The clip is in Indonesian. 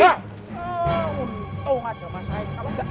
tunggu aja mas haiz kalau enggak